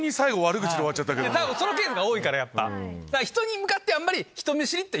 そのケースが多いからやっぱ。